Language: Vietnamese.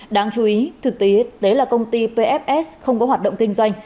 đáng chú ý thực tế là công ty pfs không có hoạt động kinh doanh